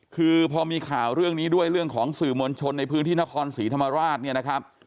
คือพอมีข่าวเรื่องนี้ด้วยเรื่องของสื่อมวลชนในพื้นที่นครศรีธรรมราชเนี่ยนะครับ